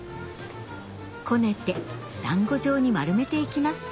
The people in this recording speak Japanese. こねて団子状に丸めていきます